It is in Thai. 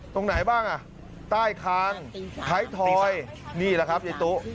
ตรงไหนบ้างอ่ะใต้คางท้ายทอยนี่แหละครับยายตุ